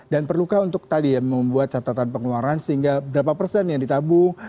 dan perlukah untuk tadi ya membuat catatan pengeluaran sehingga berapa persen yang ditabung